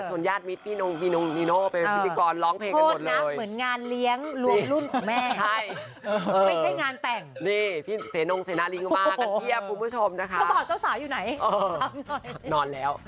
จนญาติมีพี่นุงพี่นุงนิโน่เป็นพิจิกรร้องเพลงกันหมดเลย